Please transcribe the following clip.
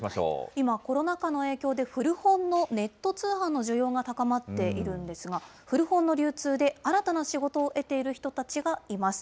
今、コロナ禍の影響で、古本のネット通販の需要が高まっているんですが、古本の流通で新たな仕事を得ている人たちがいます。